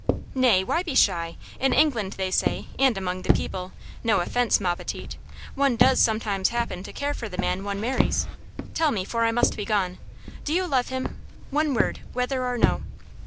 "Nay, why be shy? In England, they say, and among the people no offence, ma petite one does sometimes happen to care for the man one marries. Tell me, for I must be gone, do you love him? one word, whether or no?"